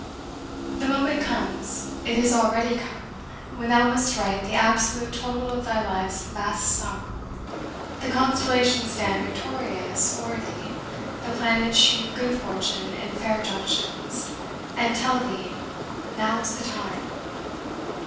The moment comes It is already come when thou must write The absolute total of thy life's vast sum. The constellations stand victorious o'er thee, The planets shoot good fortune in fair junctions, And tell thee, "Now's the time."